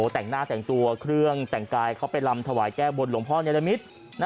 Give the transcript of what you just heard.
แต่งหน้าแต่งตัวเครื่องแต่งกายเขาไปลำถวายแก้บนหลวงพ่อเนรมิตร